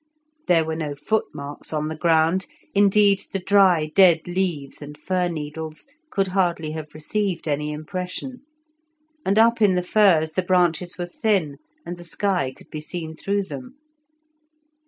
There were no footmarks on the ground, indeed, the dry, dead leaves and fir needles could hardly have received any impression, and up in the firs the branches were thin, and the sky could be seen through them.